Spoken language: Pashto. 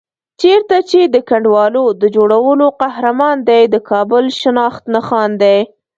چېرته چې د کنډوالو د جوړولو قهرمان دی، د کابل شناخت نښان دی.